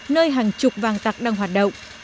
nơi hàng chục vàng tặc đang hoạt động